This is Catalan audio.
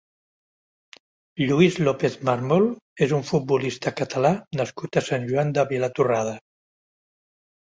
Lluís López Mármol és un futbolista catallà nascut a Sant Joan de Vilatorrada.